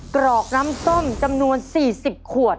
กรอกน้ำส้มจำนวน๔๐ขวด